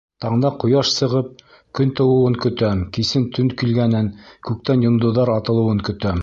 Таңда ҡояш сығып, көн тыуыуын көтәм, кисен төн килгәнен, күктән йондоҙҙар атылыуын көтәм...